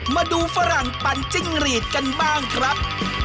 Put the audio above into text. ฝรั่งปั่นจิ้งหรีดกันบ้างครับ